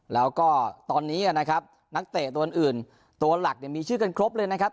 แล้วก็ตอนนี้นะครับนักเตะตัวอื่นตัวหลักเนี่ยมีชื่อกันครบเลยนะครับ